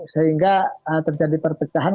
sehingga terjadi perpecahan